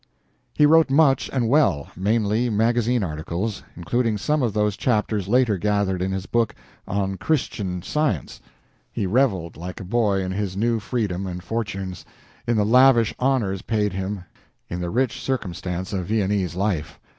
He wrote much and well, mainly magazine articles, including some of those chapters later gathered it his book on "Christian Science." He reveled like a boy in his new freedom and fortunes, in the lavish honors paid him, in the rich circumstance of Viennese life.